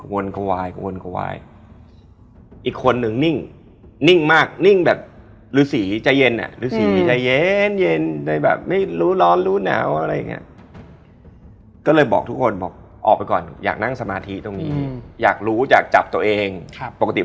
มันคาบแปรงแดงมันคาบอ่ะพี่